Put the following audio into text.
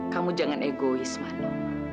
kamu jangan egois mano